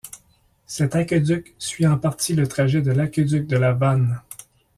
Cet aqueduc suit en partie le trajet de l'aqueduc de la Vanne.